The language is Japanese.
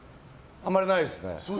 あまりないですね。